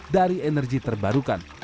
dari energi terbarukan